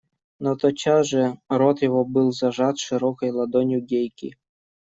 Но тотчас же рот его был зажат широкой ладонью Гейки.